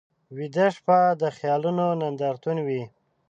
ویده شپه د خیالونو نندارتون وي